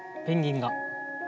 ペンギンが。